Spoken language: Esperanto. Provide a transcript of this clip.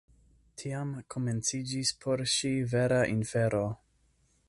Tiam komenciĝis por ŝi vera infero.